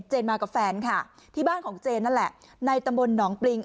มากับแฟนค่ะที่บ้านของเจนนั่นแหละในตำบลหนองปริง